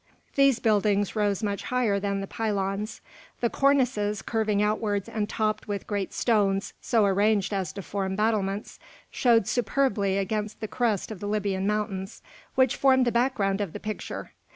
These buildings rose much higher than the pylons. The cornices, curving outwards and topped with great stones so arranged as to form battlements, showed superbly against the crest of the Libyan Mountains, which formed the background of the picture.